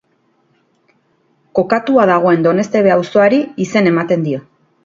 Kokatua dagoen Doneztebe auzoari izen ematen dio.